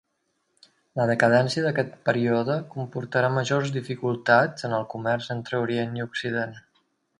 La decadència d'aquest període comportà majors dificultats en el comerç entre orient i occident.